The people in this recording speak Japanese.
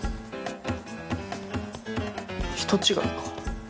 人違いか。